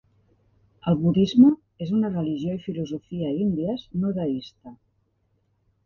El budisme és una religió i filosofia índies no deista.